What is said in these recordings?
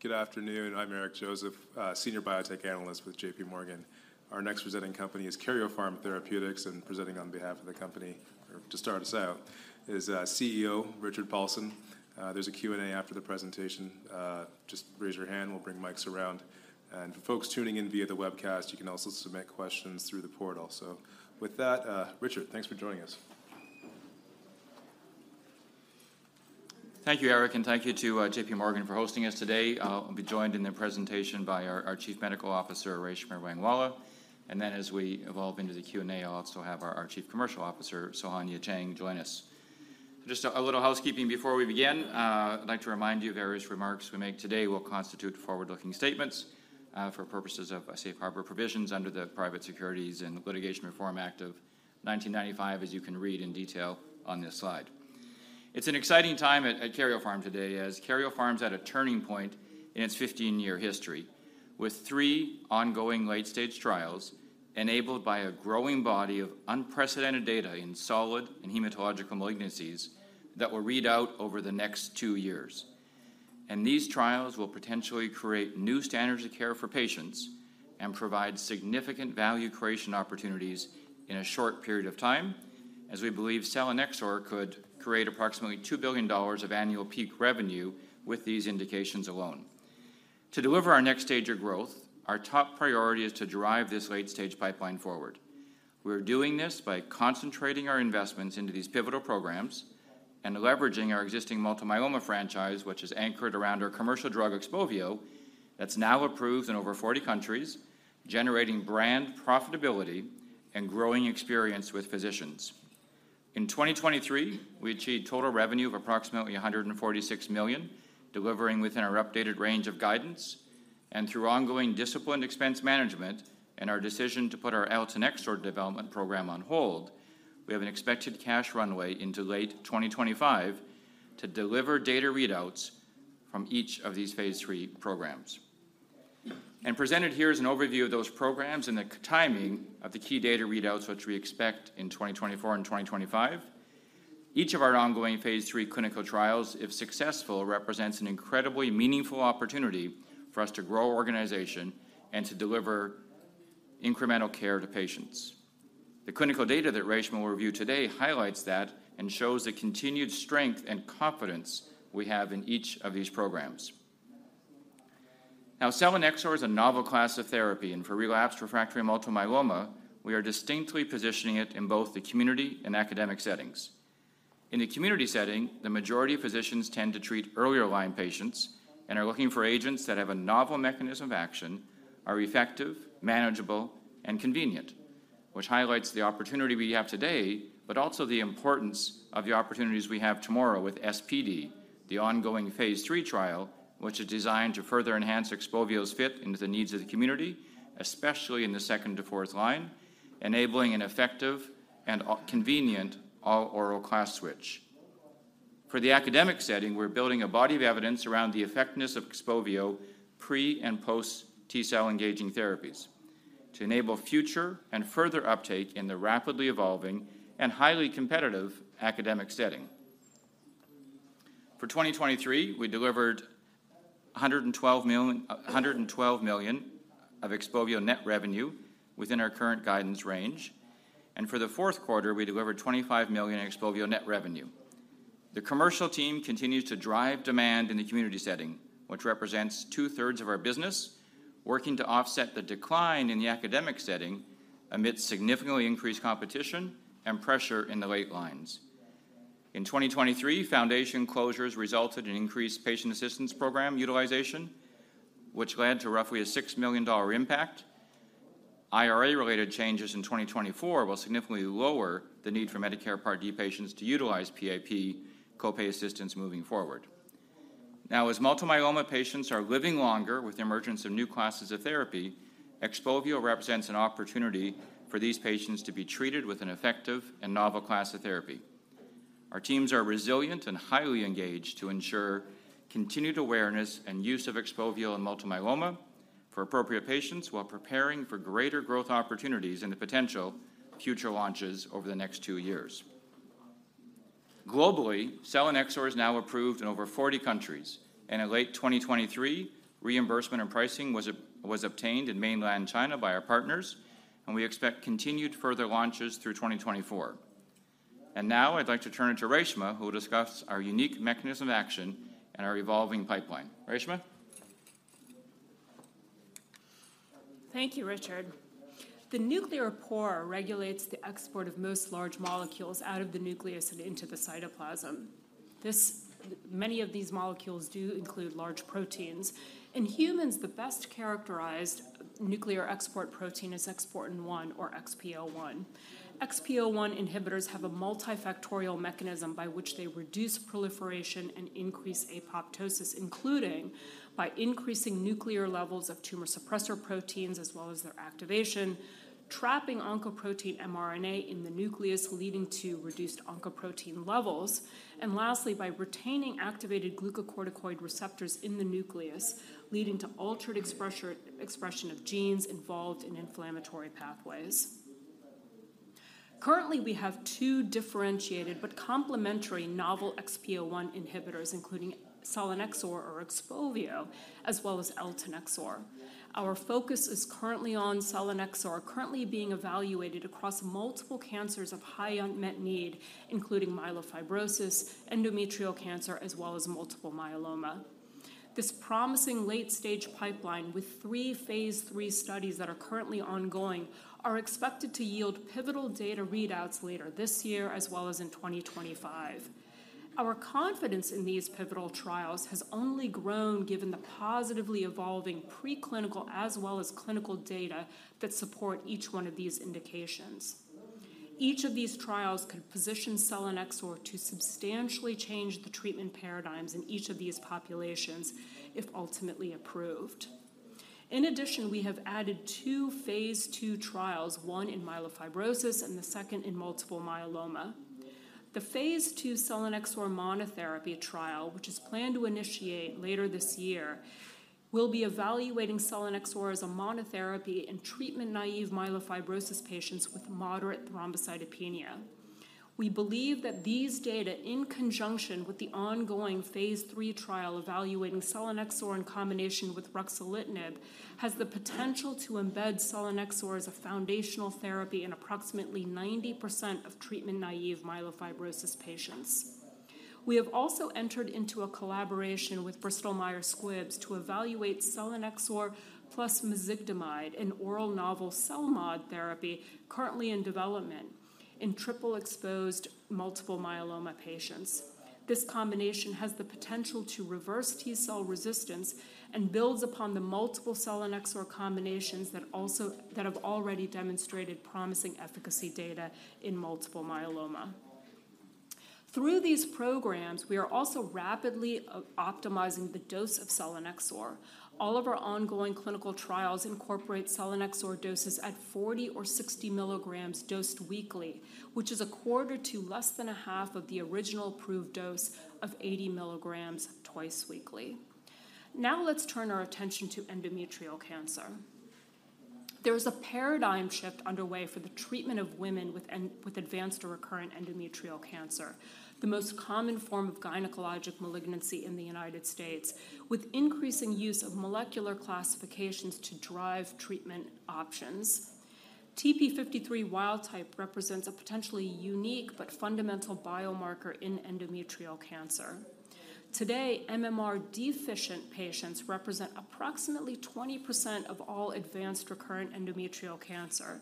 Good afternoon. I'm Eric Joseph, Senior Biotech Analyst with J.P. Morgan. Our next presenting company is Karyopharm Therapeutics, and presenting on behalf of the company, or to start us out, is CEO, Richard Paulson. There's a Q&A after the presentation. Just raise your hand, we'll bring mics around. And for folks tuning in via the webcast, you can also submit questions through the portal. So with that, Richard, thanks for joining us. Thank you, Eric, and thank you to J.P. Morgan for hosting us today. I'll be joined in the presentation by our Chief Medical Officer, Reshma Rangwala, and then as we evolve into the Q&A, I'll also have our Chief Commercial Officer, Sohanya Cheng, join us. Just a little housekeeping before we begin. I'd like to remind you that various remarks we make today will constitute forward-looking statements for purposes of safe harbor provisions under the Private Securities and Litigation Reform Act of 1995, as you can read in detail on this slide. It's an exciting time at Karyopharm today, as Karyopharm's at a turning point in its 15-year history, with three ongoing late-stage trials enabled by a growing body of unprecedented data in solid and hematological malignancies that will read out over the next two years. These trials will potentially create new standards of care for patients and provide significant value creation opportunities in a short period of time, as we believe selinexor could create approximately $2 billion of annual peak revenue with these indications alone. To deliver our next stage of growth, our top priority is to drive this late-stage pipeline forward. We're doing this by concentrating our investments into these pivotal programs and leveraging our existing multiple myeloma franchise, which is anchored around our commercial drug, XPOVIO, that's now approved in over 40 countries, generating brand profitability and growing experience with physicians. In 2023, we achieved total revenue of approximately $146 million, delivering within our updated range of guidance. Through ongoing disciplined expense management and our decision to put our eltanexor development program on hold, we have an expected cash runway into late 2025 to deliver data readouts from each of these phase III programs. Presented here is an overview of those programs and the timing of the key data readouts, which we expect in 2024 and 2025. Each of our ongoing phase III clinical trials, if successful, represents an incredibly meaningful opportunity for us to grow our organization and to deliver incremental care to patients. The clinical data that Reshma will review today highlights that and shows the continued strength and confidence we have in each of these programs. Now, selinexor is a novel class of therapy, and for relapsed refractory multiple myeloma, we are distinctly positioning it in both the community and academic settings. In the community setting, the majority of physicians tend to treat earlier-line patients and are looking for agents that have a novel mechanism of action, are effective, manageable, and convenient, which highlights the opportunity we have today, but also the importance of the opportunities we have tomorrow with SPD, the ongoing phase III trial, which is designed to further enhance XPOVIO's fit into the needs of the community, especially in the second to fourth line, enabling an effective and oral-convenient all-oral class switch. For the academic setting, we're building a body of evidence around the effectiveness of XPOVIO pre- and post-T-cell engaging therapies to enable future and further uptake in the rapidly evolving and highly competitive academic setting. For 2023, we delivered $112 million, $112 million of XPOVIO net revenue within our current guidance range, and for the fourth quarter, we delivered $25 million in XPOVIO net revenue. The commercial team continues to drive demand in the community setting, which represents two-thirds of our business, working to offset the decline in the academic setting amid significantly increased competition and pressure in the late lines. In 2023, foundation closures resulted in increased patient assistance program utilization, which led to roughly a $6 million impact. IRA-related changes in 2024 will significantly lower the need for Medicare Part D patients to utilize PAP copay assistance moving forward. Now, as multiple myeloma patients are living longer with the emergence of new classes of therapy, XPOVIO represents an opportunity for these patients to be treated with an effective and novel class of therapy. Our teams are resilient and highly engaged to ensure continued awareness and use of XPOVIO in multiple myeloma for appropriate patients while preparing for greater growth opportunities and the potential future launches over the next two years. Globally, selinexor is now approved in over 40 countries, and in late 2023, reimbursement and pricing was obtained in mainland China by our partners, and we expect continued further launches through 2024. And now I'd like to turn it to Reshma, who will discuss our unique mechanism of action and our evolving pipeline. Reshma? Thank you, Richard. The nuclear pore regulates the export of most large molecules out of the nucleus and into the cytoplasm. This, many of these molecules do include large proteins. In humans, the best characterized nuclear export protein is exportin 1, or XPO1. XPO1 inhibitors have a multifactorial mechanism by which they reduce proliferation and increase apoptosis, including by increasing nuclear levels of tumor suppressor proteins, as well as their activation, trapping oncoprotein mRNA in the nucleus, leading to reduced oncoprotein levels, and lastly, by retaining activated glucocorticoid receptors in the nucleus, leading to altered expression of genes involved in inflammatory pathways.... Currently, we have two differentiated but complementary novel XPO1 inhibitors, including selinexor or XPOVIO, as well as eltanexor. Our focus is currently on selinexor, currently being evaluated across multiple cancers of high unmet need, including myelofibrosis, endometrial cancer, as well as multiple myeloma. This promising late-stage pipeline with three phase III studies that are currently ongoing are expected to yield pivotal data readouts later this year, as well as in 2025. Our confidence in these pivotal trials has only grown given the positively evolving preclinical as well as clinical data that support each one of these indications. Each of these trials could position selinexor to substantially change the treatment paradigms in each of these populations if ultimately approved. In addition, we have added two phase II trials, one in myelofibrosis and the second in multiple myeloma. The phase II selinexor monotherapy trial, which is planned to initiate later this year, will be evaluating selinexor as a monotherapy in treatment-naive myelofibrosis patients with moderate thrombocytopenia. We believe that these data, in conjunction with the ongoing phase III trial evaluating selinexor in combination with ruxolitinib, has the potential to embed selinexor as a foundational therapy in approximately 90% of treatment-naive myelofibrosis patients. We have also entered into a collaboration with Bristol Myers Squibb to evaluate selinexor plus mezigdomide, an oral novel CELMoD therapy currently in development in triple-exposed multiple myeloma patients. This combination has the potential to reverse T-cell resistance and builds upon the multiple selinexor combinations that have already demonstrated promising efficacy data in multiple myeloma. Through these programs, we are also rapidly optimizing the dose of selinexor. All of our ongoing clinical trials incorporate selinexor doses at 40 or 60 milligrams dosed weekly, which is a quarter to less than a half of the original approved dose of 80 milligrams twice weekly. Now, let's turn our attention to endometrial cancer. There is a paradigm shift underway for the treatment of women with with advanced or recurrent endometrial cancer, the most common form of gynecologic malignancy in the United States, with increasing use of molecular classifications to drive treatment options. TP53 wild type represents a potentially unique but fundamental biomarker in endometrial cancer. Today, MMR deficient patients represent approximately 20% of all advanced recurrent endometrial cancer.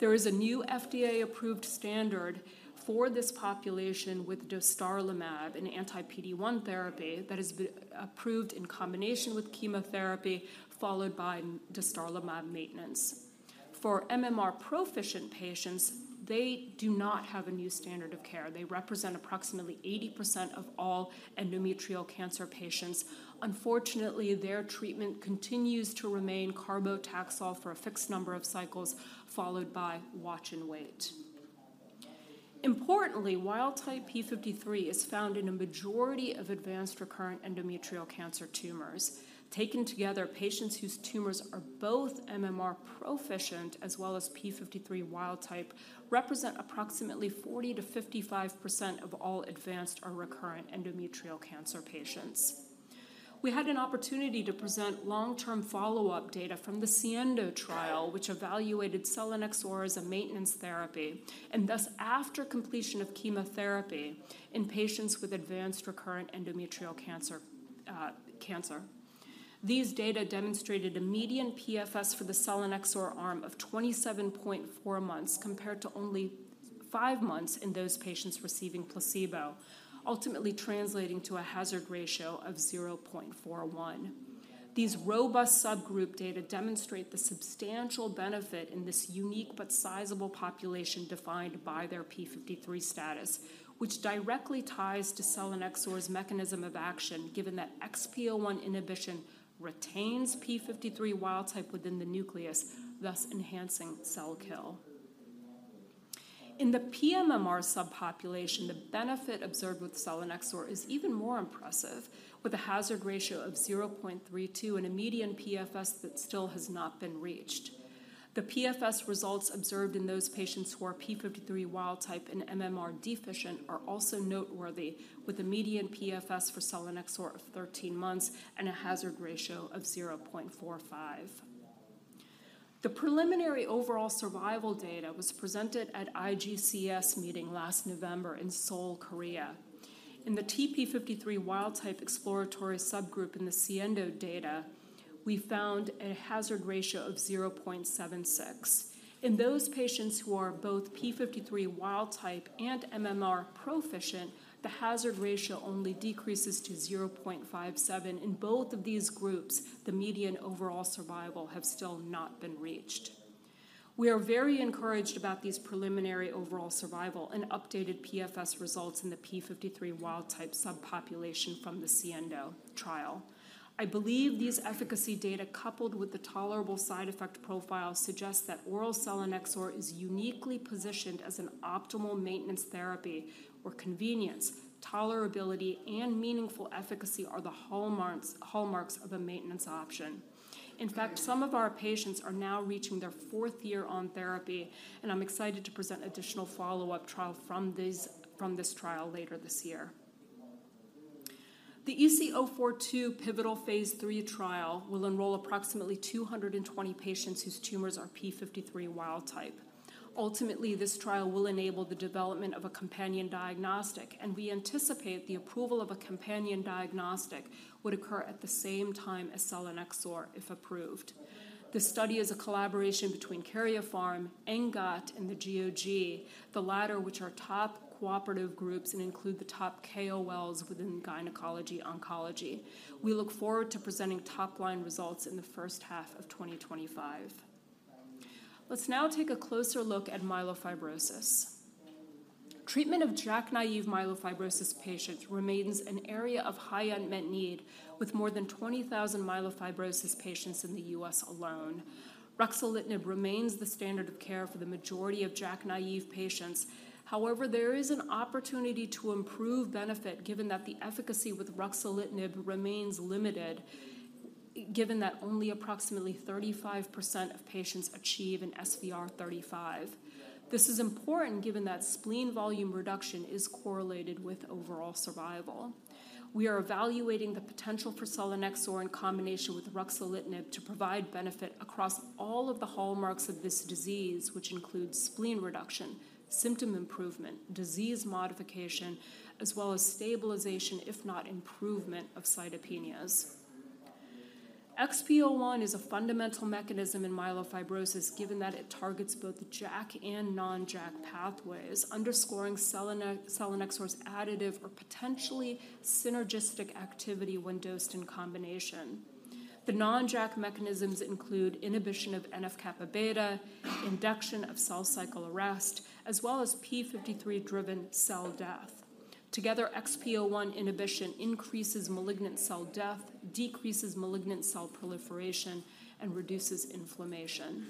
There is a new FDA-approved standard for this population with dostarlimab, an anti-PD-1 therapy that has been approved in combination with chemotherapy, followed by dostarlimab maintenance. For MMR proficient patients, they do not have a new standard of care. They represent approximately 80% of all endometrial cancer patients. Unfortunately, their treatment continues to remain carboplatin for a fixed number of cycles, followed by watch and wait. Importantly, wild type P53 is found in a majority of advanced recurrent endometrial cancer tumors. Taken together, patients whose tumors are both MMR proficient as well as P53 wild type represent approximately 40%-55% of all advanced or recurrent endometrial cancer patients. We had an opportunity to present long-term follow-up data from the SIENDO trial, which evaluated selinexor as a maintenance therapy, and thus, after completion of chemotherapy in patients with advanced recurrent endometrial cancer. These data demonstrated a median PFS for the selinexor arm of 27.4 months, compared to only five months in those patients receiving placebo, ultimately translating to a hazard ratio of 0.41. These robust subgroup data demonstrate the substantial benefit in this unique but sizable population defined by their P53 status, which directly ties to selinexor's mechanism of action, given that XPO1 inhibition retains P53 wild type within the nucleus, thus enhancing cell kill. In the pMMR subpopulation, the benefit observed with selinexor is even more impressive, with a hazard ratio of 0.32 and a median PFS that still has not been reached. The PFS results observed in those patients who are P53 wild type and MMR deficient are also noteworthy, with a median PFS for selinexor of 13 months and a hazard ratio of 0.45. The preliminary overall survival data was presented at IGCS meeting last November in Seoul, Korea. In the TP53 wild type exploratory subgroup in the SIENDO data, we found a hazard ratio of 0.76. In those patients who are both P53 wild type and MMR proficient, the hazard ratio only decreases to 0.57. In both of these groups, the median overall survival have still not been reached. We are very encouraged about these preliminary overall survival and updated PFS results in the P53 wild type subpopulation from the SIENDO trial. I believe these efficacy data, coupled with the tolerable side effect profile, suggests that oral selinexor is uniquely positioned as an optimal maintenance therapy where convenience, tolerability, and meaningful efficacy are the hallmarks of a maintenance option. In fact, some of our patients are now reaching their fourth year on therapy, and I'm excited to present additional follow-up from this trial later this year. The EC042 pivotal phase III trial will enroll approximately 220 patients whose tumors are P53 wild type. Ultimately, this trial will enable the development of a companion diagnostic, and we anticipate the approval of a companion diagnostic would occur at the same time as selinexor, if approved. This study is a collaboration between Karyopharm, ENGOT, and the GOG, the latter which are top cooperative groups and include the top KOLs within gynecology oncology. We look forward to presenting top-line results in the first half of 2025. Let's now take a closer look at myelofibrosis. Treatment of JAK-naive myelofibrosis patients remains an area of high unmet need, with more than 20,000 myelofibrosis patients in the U.S. alone. Ruxolitinib remains the standard of care for the majority of JAK-naive patients. However, there is an opportunity to improve benefit, given that the efficacy with ruxolitinib remains limited, given that only approximately 35% of patients achieve an SVR35. This is important given that spleen volume reduction is correlated with overall survival. We are evaluating the potential for Selinexor in combination with ruxolitinib to provide benefit across all of the hallmarks of this disease, which includes spleen reduction, symptom improvement, disease modification, as well as stabilization, if not improvement, of cytopenias. XPO1 is a fundamental mechanism in myelofibrosis, given that it targets both JAK and non-JAK pathways, underscoring selinexor's additive or potentially synergistic activity when dosed in combination. The non-JAK mechanisms include inhibition of NF-kappa beta, induction of cell cycle arrest, as well as P53-driven cell death. Together, XPO1 inhibition increases malignant cell death, decreases malignant cell proliferation, and reduces inflammation.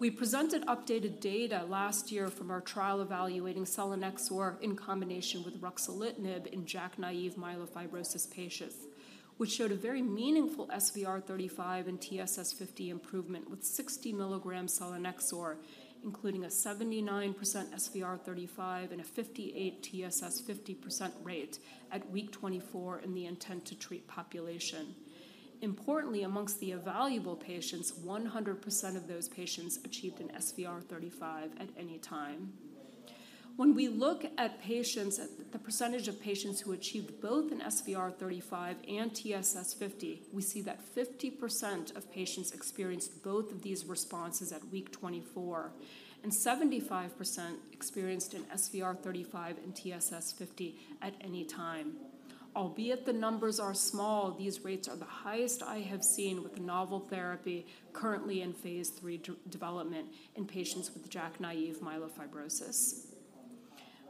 We presented updated data last year from our trial evaluating selinexor in combination with ruxolitinib in JAK-naive myelofibrosis patients, which showed a very meaningful SVR35 and TSS50 improvement with 60 milligrams selinexor, including a 79% SVR35 and a 58% TSS50 rate at week 24 in the intent to treat population. Importantly, amongst the evaluable patients, 100% of those patients achieved an SVR35 at any time. When we look at patients, at the percentage of patients who achieved both an SVR35 and TSS50, we see that 50% of patients experienced both of these responses at week 24, and 75% experienced an SVR35 and TSS50 at any time. Albeit the numbers are small, these rates are the highest I have seen with a novel therapy currently in phase III development in patients with JAK-naive myelofibrosis.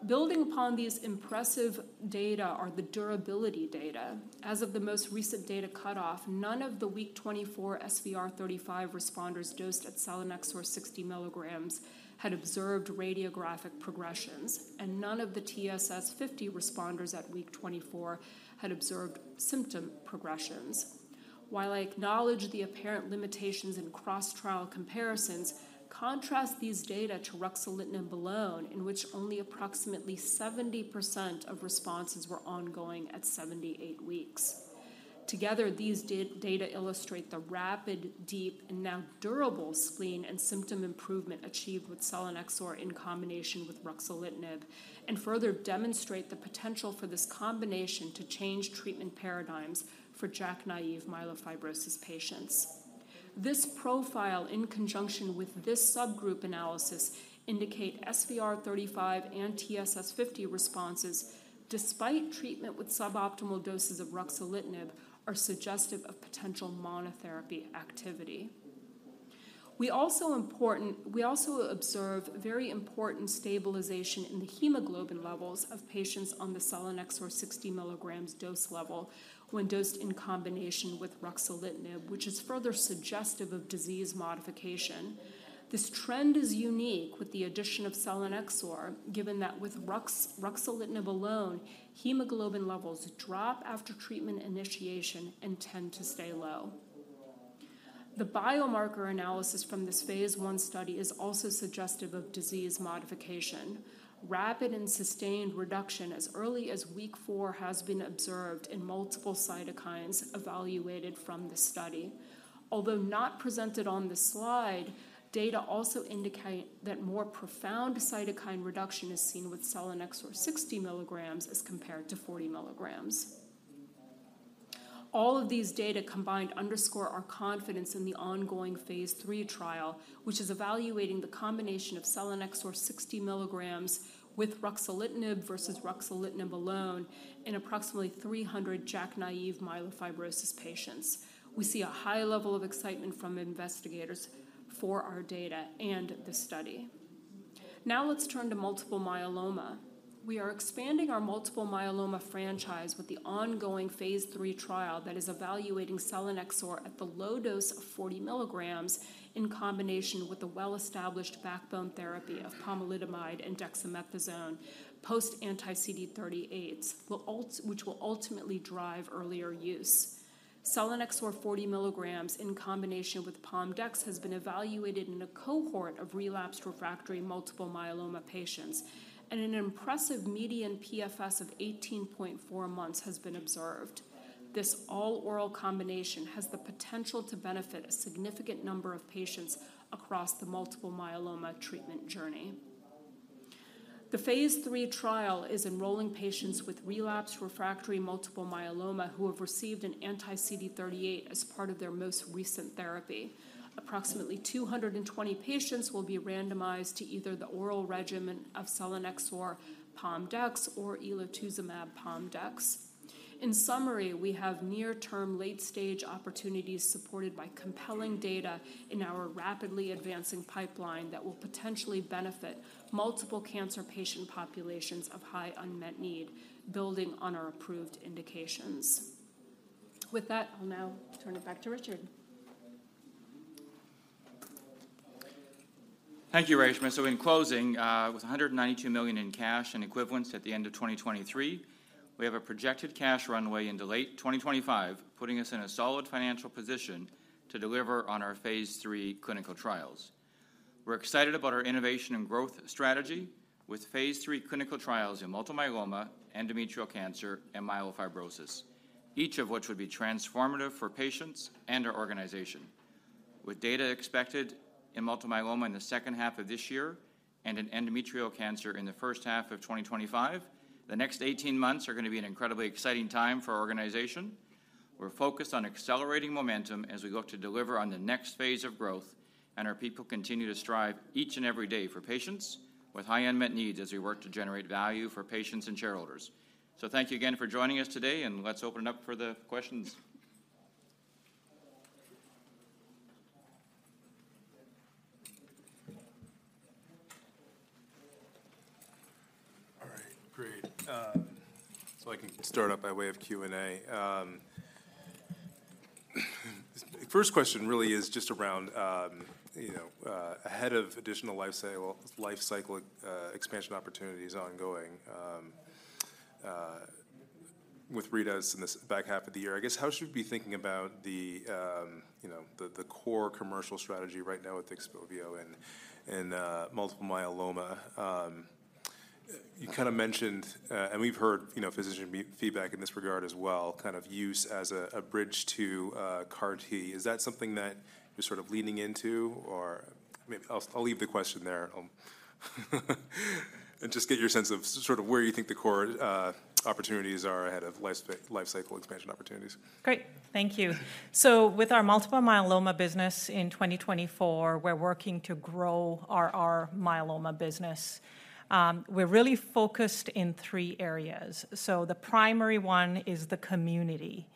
Building upon these impressive data are the durability data. As of the most recent data cutoff, none of the week 24 SVR35 responders dosed at selinexor 60 milligrams had observed radiographic progressions, and none of the TSS50 responders at week 24 had observed symptom progressions. While I acknowledge the apparent limitations in cross-trial comparisons, contrast these data to ruxolitinib alone, in which only approximately 70% of responses were ongoing at 78 weeks. Together, these data illustrate the rapid, deep, and now durable spleen and symptom improvement achieved with selinexor in combination with ruxolitinib, and further demonstrate the potential for this combination to change treatment paradigms for JAK-naive myelofibrosis patients. This profile, in conjunction with this subgroup analysis, indicate SVR35 and TSS50 responses, despite treatment with suboptimal doses of ruxolitinib, are suggestive of potential monotherapy activity. We also observe very important stabilization in the hemoglobin levels of patients on the selinexor 60 milligrams dose level when dosed in combination with ruxolitinib, which is further suggestive of disease modification. This trend is unique with the addition of Selinexor, given that with ruxolitinib alone, hemoglobin levels drop after treatment initiation and tend to stay low. The biomarker analysis from this phase I study is also suggestive of disease modification. Rapid and sustained reduction as early as week four has been observed in multiple cytokines evaluated from the study. Although not presented on the slide, data also indicate that more profound cytokine reduction is seen with selinexor 60 milligrams as compared to 40 milligrams. All of these data combined underscore our confidence in the ongoing phase III trial, which is evaluating the combination of selinexor 60 milligrams with ruxolitinib versus ruxolitinib alone in approximately 300 JAK-naive myelofibrosis patients. We see a high level of excitement from investigators for our data and the study. Now, let's turn to multiple myeloma. We are expanding our multiple myeloma franchise with the ongoing phase III trial that is evaluating selinexor at the low dose of 40 milligrams in combination with the well-established backbone therapy of pomalidomide and dexamethasone post-anti-CD38, which will ultimately drive earlier use. Selinexor 40 milligrams in combination with Pom dex has been evaluated in a cohort of relapsed refractory multiple myeloma patients, and an impressive median PFS of 18.4 months has been observed. This all-oral combination has the potential to benefit a significant number of patients across the multiple myeloma treatment journey. The phase III trial is enrolling patients with relapsed refractory multiple myeloma who have received an anti-CD38 as part of their most recent therapy. Approximately 220 patients will be randomized to either the oral regimen of selinexor, Pom dex, or elotuzumab Pom dex. In summary, we have near-term, late-stage opportunities supported by compelling data in our rapidly advancing pipeline that will potentially benefit multiple cancer patient populations of high unmet need, building on our approved indications. With that, I'll now turn it back to Richard. Thank you, Reshma. So in closing, with $192 million in cash and equivalents at the end of 2023, we have a projected cash runway into late 2025, putting us in a solid financial position to deliver on our phase III clinical trials. We're excited about our innovation and growth strategy with phase III clinical trials in multiple myeloma, endometrial cancer, and myelofibrosis, each of which would be transformative for patients and our organization. With data expected in multiple myeloma in the second half of this year and in endometrial cancer in the first half of 2025, the next 18 months are gonna be an incredibly exciting time for our organization. We're focused on accelerating momentum as we look to deliver on the next phase of growth, and our people continue to strive each and every day for patients with high unmet needs as we work to generate value for patients and shareholders. Thank you again for joining us today, and let's open it up for the questions. All right, great. So I can start out by way of Q&A. First question really is just around, you know, ahead of additional life cycle expansion opportunities ongoing with readouts in the back half of the year. I guess, how should we be thinking about the, you know, the core commercial strategy right now with XPOVIO and multiple myeloma? You kinda mentioned, and we've heard, you know, physician feedback in this regard as well, kind of use as a bridge to CAR-T. Is that something that you're sort of leaning into, or maybe... I'll leave the question there and just get your sense of sort of where you think the core opportunities are ahead of life cycle expansion opportunities. Great. Thank you. So with our multiple myeloma business in 2024, we're working to grow our, our myeloma business. We're really focused in three areas. So the primary one is the community,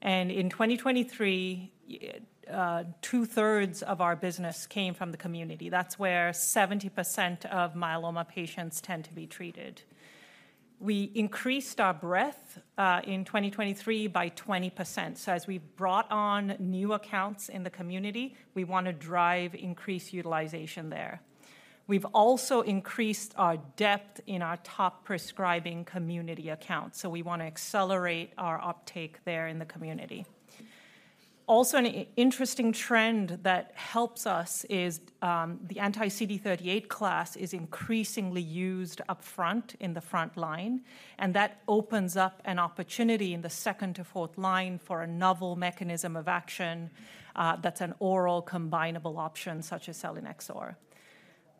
and in 2023, two-thirds of our business came from the community. That's where 70% of myeloma patients tend to be treated. We increased our breadth in 2023 by 20%. So as we've brought on new accounts in the community, we wanna drive increased utilization there. We've also increased our depth in our top-prescribing community accounts, so we wanna accelerate our uptake there in the community. Also, an interesting trend that helps us is the anti-CD38 class is increasingly used upfront in the front line, and that opens up an opportunity in the second to fourth line for a novel mechanism of action that's an oral combinable option, such as selinexor.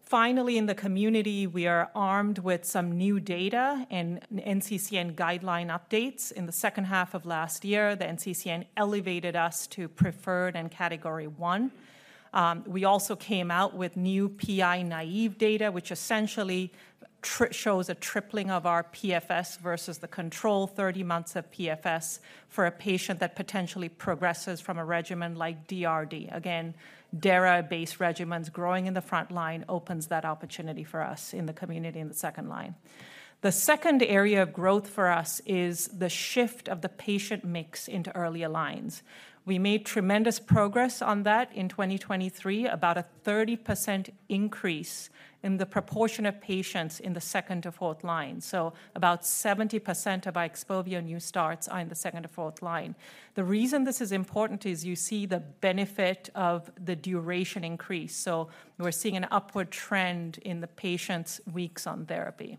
Finally, in the community, we are armed with some new data and NCCN guideline updates. In the second half of last year, the NCCN elevated us to preferred and Category 1. We also came out with new PI-naive data, which essentially shows a tripling of our PFS versus the control 30 months of PFS for a patient that potentially progresses from a regimen like DRd. Again, dara-based regimens growing in the front line opens that opportunity for us in the community in the second line. The second area of growth for us is the shift of the patient mix into earlier lines. We made tremendous progress on that in 2023, about a 30% increase in the proportion of patients in the second to fourth line. So about 70% of our XPOVIO new starts are in the second to fourth line. The reason this is important is you see the benefit of the duration increase, so we're seeing an upward trend in the patients' weeks on therapy.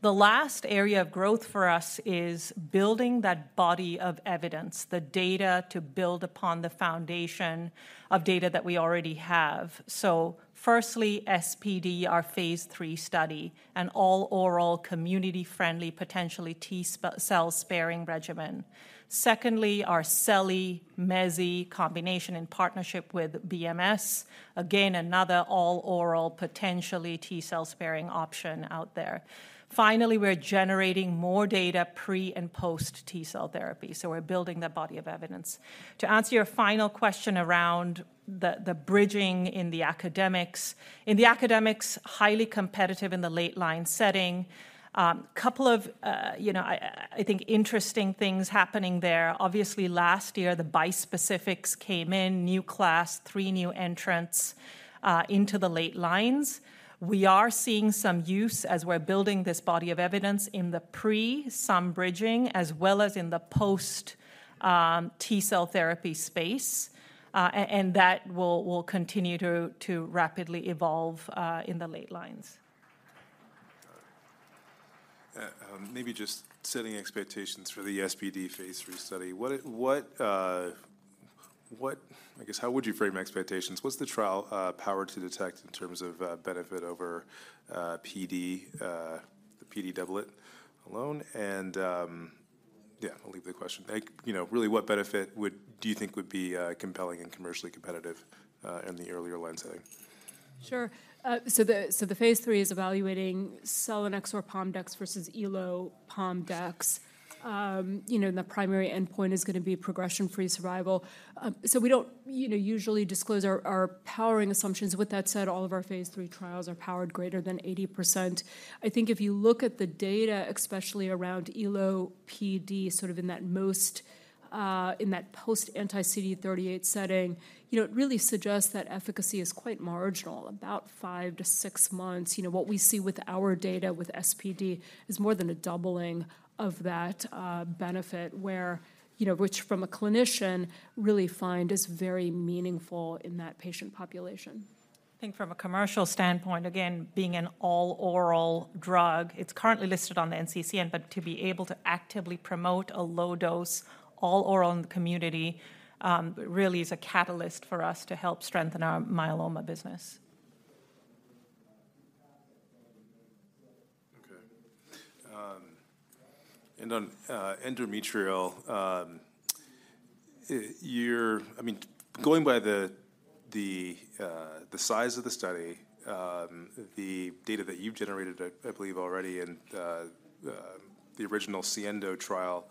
The last area of growth for us is building that body of evidence, the data to build upon the foundation of data that we already have. So firstly, SPD, our phase III study, an all-oral, community-friendly, potentially T-cell-sparing regimen. Secondly, our selinexor-mezigdomide combination in partnership with BMS, again, another all-oral, potentially T-cell-sparing option out there. Finally, we're generating more data pre- and post-T cell therapy, so we're building that body of evidence. To answer your final question around the bridging in the academics, highly competitive in the late line setting. Couple of, you know, I think, interesting things happening there. Obviously, last year, the bispecifics came in, new class, three new entrants into the late lines. We are seeing some use as we're building this body of evidence in the pre, some bridging, as well as in the post, T-cell therapy space, and that will continue to rapidly evolve in the late lines. Maybe just setting expectations for the SPD phase III study. What, I guess, how would you frame expectations? What's the trial power to detect in terms of benefit over PD, the PD doublet alone? And, yeah, I'll leave the question. Like, you know, really, what benefit would do you think would be compelling and commercially competitive in the earlier line setting? Sure. So the phase III is evaluating selinexor Pom dex versus Elo Pom dex. You know, and the primary endpoint is going to be progression-free survival. So we don't, you know, usually disclose our powering assumptions. With that said, all of our phase III trials are powered greater than 80%. I think if you look at the data, especially around Elo PD in that post Anti-CD38 setting, you know, it really suggests that efficacy is quite marginal, about five to six months. You know, what we see with our data with SPD is more than a doubling of that benefit, where, you know, which from a clinician really find is very meaningful in that patient population. I think from a commercial standpoint, again, being an all-oral drug, it's currently listed on the NCCN, but to be able to actively promote a low-dose, all-oral in the community, really is a catalyst for us to help strengthen our myeloma business. Okay. On endometrial—I mean, going by the size of the study, the data that you've generated, I believe already, and the original SIENDO trial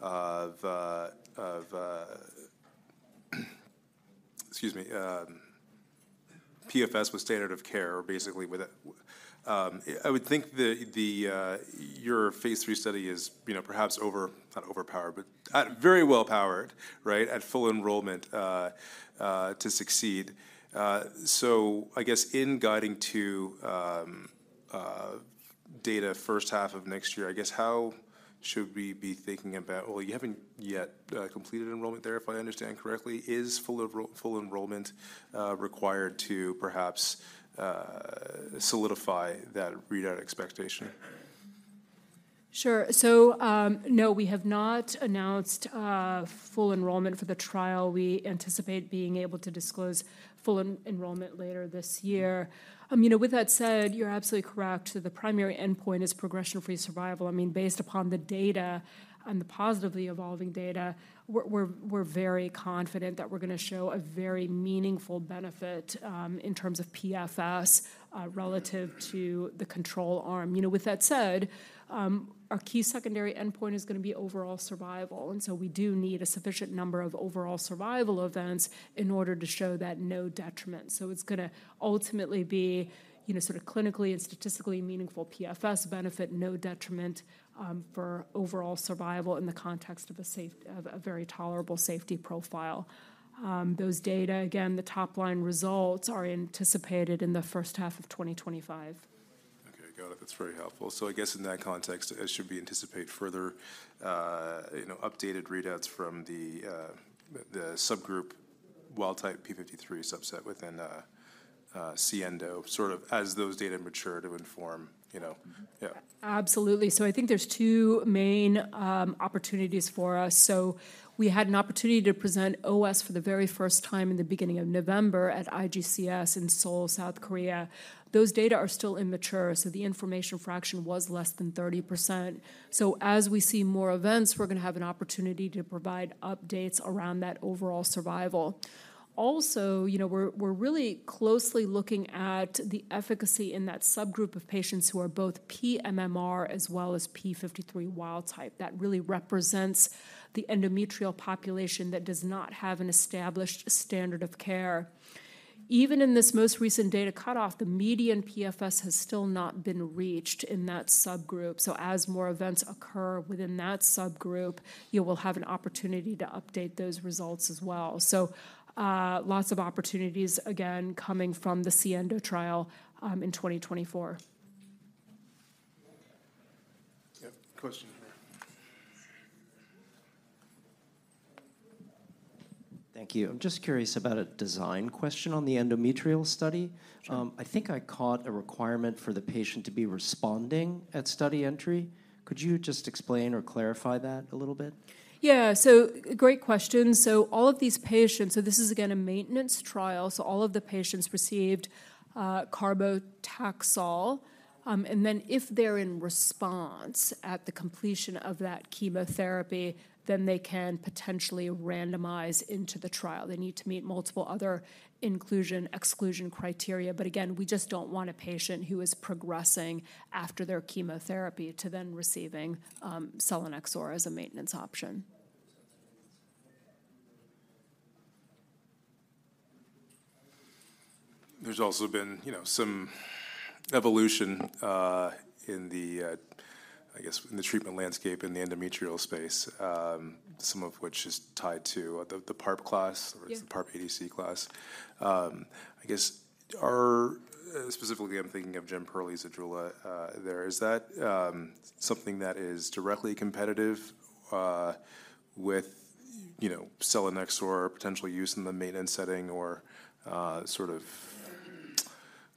of PFS with standard of care, basically with... I would think your phase III study is, you know, perhaps over, not overpowered, but very well-powered, right, at full enrollment to succeed. So I guess in guiding to data first half of next year, I guess, how should we be thinking about? Well, you haven't yet completed enrollment there, if I understand correctly. Is full enrollment required to perhaps solidify that readout expectation? Sure. So, no, we have not announced full enrollment for the trial. We anticipate being able to disclose full enrollment later this year. You know, with that said, you're absolutely correct. The primary endpoint is progression-free survival. I mean, based upon the data and the positively evolving data, we're very confident that we're going to show a very meaningful benefit in terms of PFS relative to the control arm. You know, with that said, our key secondary endpoint is going to be overall survival, and so we do need a sufficient number of overall survival events in order to show that no detriment. So it's going to ultimately be, you know, sort of clinically and statistically meaningful PFS benefit, no detriment for overall survival in the context of a very tolerable safety profile. Those data, again, the top-line results are anticipated in the first half of 2025. Okay, got it. That's very helpful. So I guess in that context, as should we anticipate further, you know, updated readouts from the, the subgroup wild-type P53 subset within, SIENDO, sort of as those data mature to inform, you know? Yeah. Absolutely. So I think there's two main opportunities for us. So we had an opportunity to present OS for the very first time in the beginning of November at IGCS in Seoul, South Korea. Those data are still immature, so the information fraction was less than 30%. So as we see more events, we're going to have an opportunity to provide updates around that overall survival. Also, you know, we're really closely looking at the efficacy in that subgroup of patients who are both pMMR as well as P53 wild type. That really represents the endometrial population that does not have an established standard of care. Even in this most recent data cutoff, the median PFS has still not been reached in that subgroup. So as more events occur within that subgroup, you will have an opportunity to update those results as well. Lots of opportunities, again, coming from the SIENDO trial, in 2024. Yep, question here. Thank you. I'm just curious about a design question on the endometrial study. I think I caught a requirement for the patient to be responding at study entry. Could you just explain or clarify that a little bit? Yeah. So great question. So all of these patients—so this is again, a maintenance trial, so all of the patients received, carbo-taxol. And then, if they're in response at the completion of that chemotherapy, then they can potentially randomize into the trial. They need to meet multiple other inclusion, exclusion criteria. But again, we just don't want a patient who is progressing after their chemotherapy to then receiving, selinexor as a maintenance option. There's also been, you know, some evolution in the, I guess, in the treatment landscape in the endometrial space, some of which is tied to the, the PARP class- Yeah Or PARP ADC class. I guess, specifically, I'm thinking of Jemperli Zejula there. Is that something that is directly competitive with, you know, selinexor potentially used in the maintenance setting or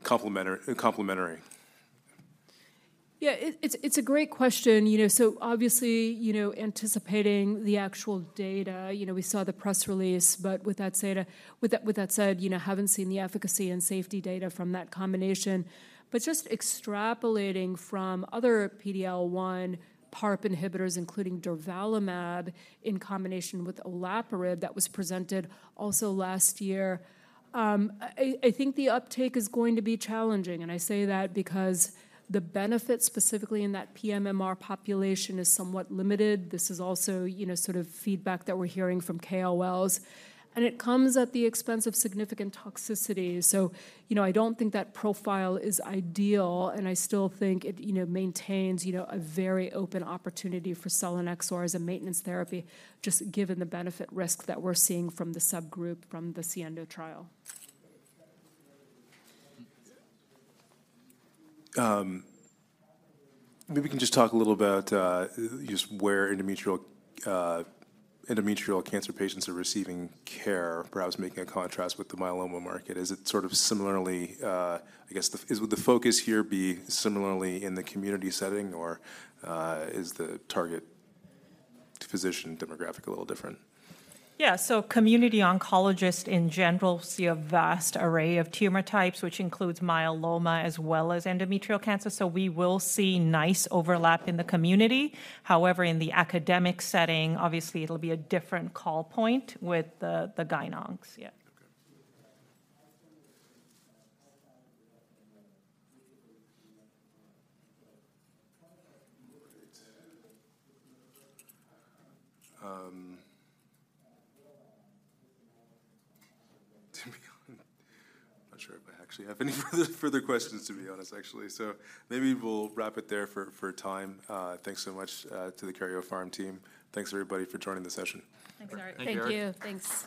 complementary? Yeah, it's a great question. You know, so obviously, you know, anticipating the actual data, you know, we saw the press release, but with that said, you know, haven't seen the efficacy and safety data from that combination. But just extrapolating from other PD-L1 PARP inhibitors, including durvalumab, in combination with olaparib that was presented also last year, I think the uptake is going to be challenging. And I say that because the benefit specifically in that pMMR population is somewhat limited. This is also, you know, sort of feedback that we're hearing from KOLs, and it comes at the expense of significant toxicity. So, you know, I don't think that profile is ideal, and I still think it, you know, maintains, you know, a very open opportunity for selinexor as a maintenance therapy, just given the benefit risk that we're seeing from the subgroup from the SIENDO trial. Maybe we can just talk a little about just where endometrial cancer patients are receiving care. Perhaps making a contrast with the myeloma market. Is it sort of similarly? I guess, would the focus here be similarly in the community setting, or is the target physician demographic a little different? Yeah, so community oncologists, in general, see a vast array of tumor types, which includes myeloma as well as endometrial cancer, so we will see nice overlap in the community. However, in the academic setting, obviously, it'll be a different call point with the Gyn, Oncs. Yeah. Okay. Not sure if I actually have any further questions, to be honest, actually. So maybe we'll wrap it there for time. Thanks so much to the Karyopharm team. Thanks, everybody, for joining the session. Thanks, Eric. Thank you. Thanks.